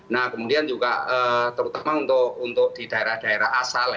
nah kemudian juga terutama untuk di daerah daerah asal